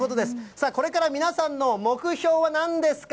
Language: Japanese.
さあ、これから皆さんの目標はなんですか？